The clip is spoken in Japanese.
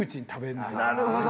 なるほど。